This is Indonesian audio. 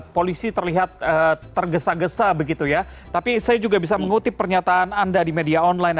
polisi terlihat tergesa gesa begitu ya tapi saya juga bisa mengutip pernyataan anda di media online